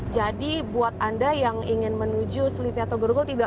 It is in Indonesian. jadi buat anda yang ingin menuju selipi atau grogol